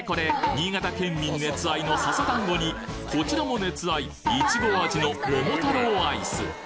新潟県民熱愛の笹だんごにこちらも熱愛いちご味のもも太郎アイス